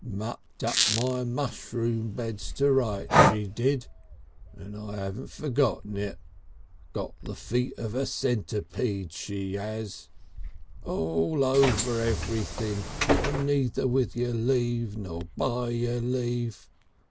Mucked up my mushroom bed to rights, she did, and I 'aven't forgot it. Got the feet of a centipede, she 'as ll over everything and neither with your leave nor by your leave.